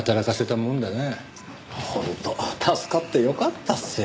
本当助かってよかったっすよ。